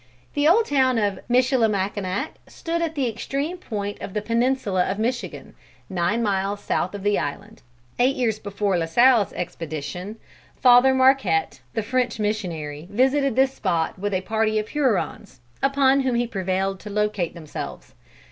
"The old town of Michilimackinac stood at the extreme point of the peninsula of Michigan, nine miles south of the island. Eight years before La Salle's expedition, Father Marquette, the French missionary, visited this spot with a party of Hurons, upon whom he prevailed to locate themselves.